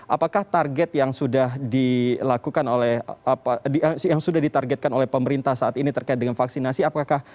apakah target yang sudah dilakukan oleh apa yang sudah ditargetkan oleh pemerintah saat ini terkait dengan vaksinasi apakah